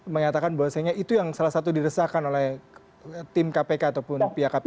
mengatakan bahwasanya itu yang salah satu diresahkan oleh tim kpk ataupun pihak kpk